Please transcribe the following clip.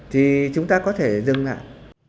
thì chúng ta có thể dừng lại